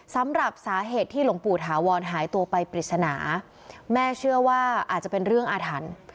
สำหรับสาเหตุที่หลวงปู่ถาวรหายตัวไปปริศนาแม่เชื่อว่าอาจจะเป็นเรื่องอาถรรพ์